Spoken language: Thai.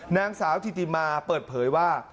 นางสาวธิติมาเปิดเผยว่า